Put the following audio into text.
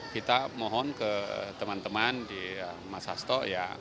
kita mohon ke teman teman di mas hasto